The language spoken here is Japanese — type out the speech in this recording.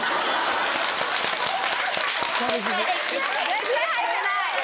絶対入ってない。